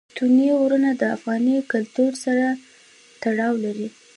ستوني غرونه د افغان کلتور سره تړاو لري.